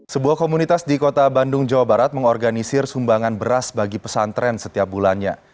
sebuah komunitas di kota bandung jawa barat mengorganisir sumbangan beras bagi pesantren setiap bulannya